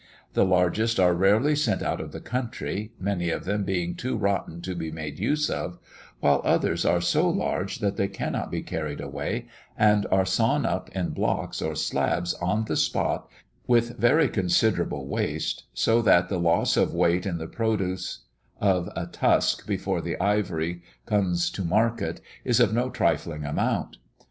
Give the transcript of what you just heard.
The largest are rarely sent out of the country, many of them being too rotten to be made use of, while others are so large that they cannot be carried away, and are sawn up in blocks or slabs on the spot with very considerable waste, so that the loss of weight in the produce of a tusk before the ivory comes to market is of no trifling amount.